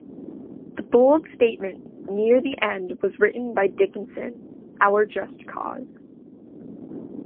The bold statement near the end was written by Dickinson: Our cause is just.